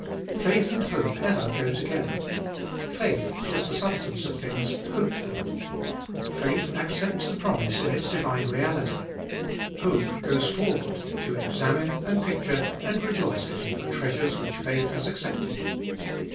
Faith and hope ever go together. "Faith is the substance of things hoped for." Faith accepts the promise in its divine reality, hope goes forward to examine and picture and rejoice in the treasures which faith has accepted.